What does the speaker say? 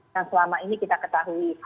yang selama ini kita ketahui